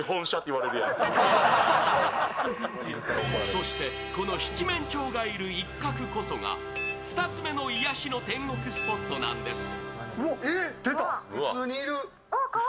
そして、この七面鳥がいる一角こそが２つめの癒やしの天国スポットなんです。